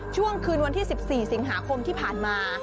ช่วงคืนวันที่๑๔สิงหาคมที่ผ่านมา